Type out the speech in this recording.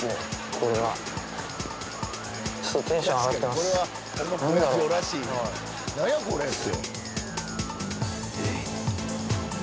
これはちょっとテンション上がってます